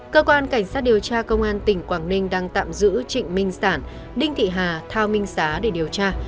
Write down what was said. cơ quan cảnh sát điều tra công an tỉnh quảng ninh đang tạm giữ trịnh minh sản đinh thị hà thao minh xá để điều tra